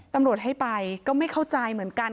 ตำรวจให้ไปก็ไม่เข้าใจเหมือนกัน